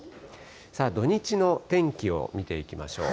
土日の天気を見ていきましょう。